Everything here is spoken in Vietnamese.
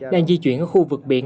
đang di chuyển ở khu vực biển